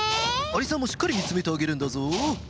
アリさんをしっかりみつめてあげるんだぞ。